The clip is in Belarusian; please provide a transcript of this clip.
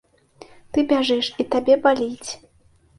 Ты бяжыш, і табе баліць.